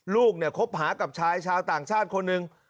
ลูกเนี่ยคบหากับชายชาวต่างชาติคนหนึ่ง